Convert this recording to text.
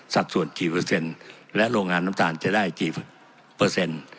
สัดส่วนกี่เปอร์เซ็นต์และโรงงานน้ำตาลจะได้กี่เปอร์เซ็นต์